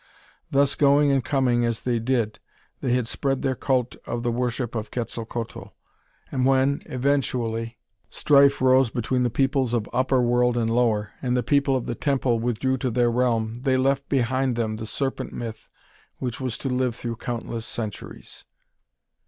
Thus, going and coming as they did, they had spread their cult of the worship of Quetzalcoatl; and when, eventually, strife arose between the peoples of upper world and lower, and the People of the Temple withdrew to their realm, they left behind them the Serpent myth which was to live through countless centuries.